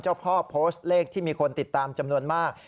เจ้าพ่อโพสต์เลขที่มีคนติดตามจำนวนมาก